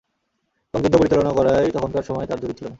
এবং যুদ্ধ পরিচালনা করায় তখনকার সময় তাঁর জুড়ি ছিল না।